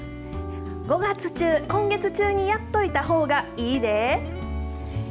５月中、今月中にやっといたほうがいいで。